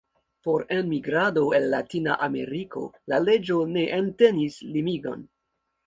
Por enmigrado el Latina Ameriko, la leĝo ne entenis limigon.